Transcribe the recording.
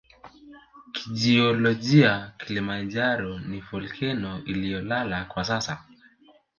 Kijiolojia Kilimanjaro ni volkeno iliyolala kwa sasa